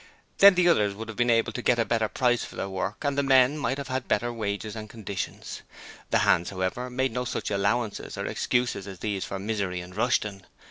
Then the others would have been able to get a better price for their work, and the men might have had better wages and conditions. The hands, however, made no such allowances or excuses as these for Misery and Rushton.